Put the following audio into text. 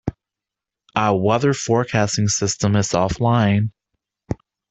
Our weather forecasting system is offline.